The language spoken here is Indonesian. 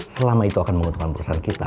selama itu akan menguntungkan perusahaan kita